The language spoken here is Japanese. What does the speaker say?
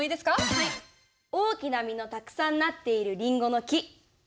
「大きな実のたくさんなっているりんごの木」。